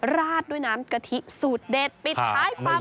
ราดด้วยน้ำกะทิสุดเด็ดปิดท้ายปั๊บกันเลย